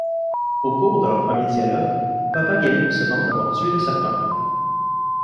Au cours de leur premier dialogue, Papageno se vante d'avoir tué le serpent.